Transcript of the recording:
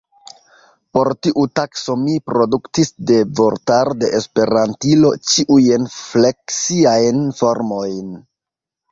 Por tiu tasko mi produktis de vortaro de Esperantilo ĉiujn fleksiajn formojn.